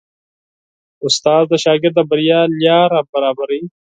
استاد د شاګرد د بریا لاره برابروي.